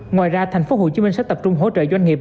ngoài ra thành phố hồ chí minh sẽ tập trung hỗ trợ doanh nghiệp